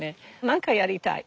何かやりたい。